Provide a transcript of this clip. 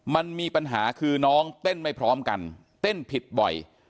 มันมีปัญหาคือน้องเต้นไม่พร้อมกันเต้นผิดบ่อย